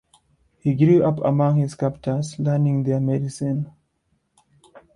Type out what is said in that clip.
He grew up among his captors, learning their medicine.